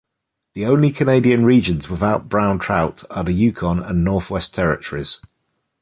The only Canadian regions without brown trout are the Yukon and Northwest Territories.